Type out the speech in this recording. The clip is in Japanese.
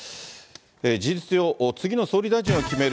事実上、次の総理大臣を決める